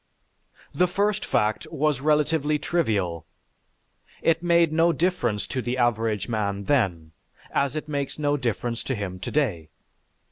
The first fact was relatively trivial: it made no difference to the average man then, as it makes no difference to him today.